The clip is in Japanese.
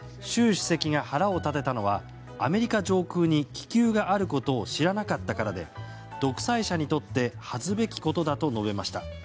主席が腹を立てたのはアメリカ上空に気球があることを知らなかったからで独裁者にとって恥ずべきことだと述べました。